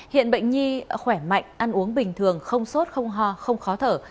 hiện bệnh nhi khỏe mạnh ăn uống bình thường không sốt không ho không khó thở